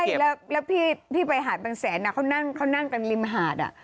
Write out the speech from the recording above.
ใช่แล้วพี่ที่ไปหาดบางแสนเขานั่งกันริมหาด